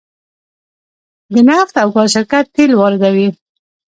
د نفت او ګاز شرکت تیل واردوي